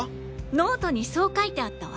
ノートにそう書いてあったわ。